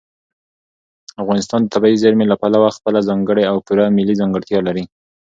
افغانستان د طبیعي زیرمې له پلوه خپله ځانګړې او پوره ملي ځانګړتیا لري.